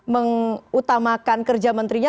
mengutamakan kerja menterinya